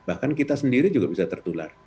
bahkan kita sendiri juga bisa tertular